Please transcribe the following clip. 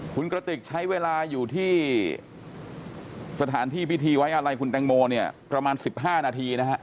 คุณกระติกใช้เวลาอยู่ที่สถานที่พิธีไว้อะไรคุณแตงโมเนี่ยประมาณ๑๕นาทีนะฮะ